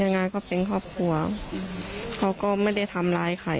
ยังไงก็เป็นครอบครัวเขาก็ไม่ได้ทำร้ายใคร